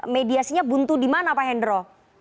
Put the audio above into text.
mediasinya buntu di mana pak hendro